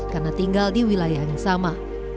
karena tinggal di wilayah yang sama